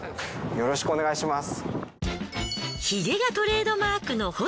よろしくお願いします。